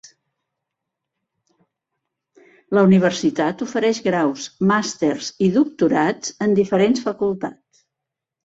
La universitat ofereix graus, màsters i doctorats en diferents facultats.